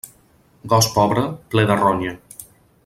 Gos pobre, ple de ronya.